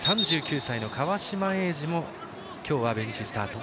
３９歳の川島永嗣も今日はベンチスタート。